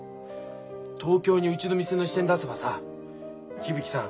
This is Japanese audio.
東京にうちの店の支店出せばさ響さん